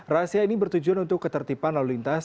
rahasia ini bertujuan untuk ketertiban lalu lintas